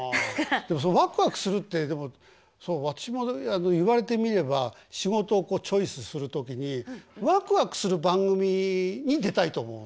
ワクワクするってでもそう私も言われてみれば仕事をチョイスする時にワクワクする番組に出たいと思うの。